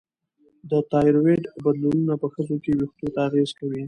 د تایروییډ بدلونونه په ښځو کې وېښتو ته اغېزه کوي.